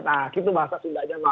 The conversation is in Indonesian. nah gitu bahasa sunda jawa